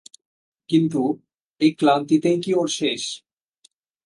কিন্তু এই ক্লান্তিতেই কি ওর শেষ।